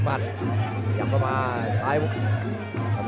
ไม่ลงครับหาเลยครับ